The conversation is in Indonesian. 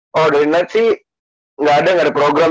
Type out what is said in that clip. kalau dari night sih nggak ada nggak ada program